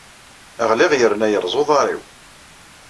Ɣliɣ yerna yerreẓ uḍar-inu.